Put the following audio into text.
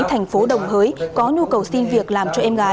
thành phố đồng hới có nhu cầu xin việc làm cho em gái